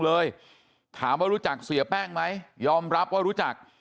ว่ารู้จักเสี่ยแป้งจังไหมไม่ได้รับ